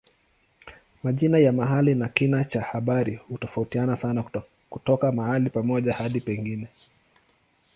Majina ya mahali na kina cha habari hutofautiana sana kutoka mahali pamoja hadi pengine.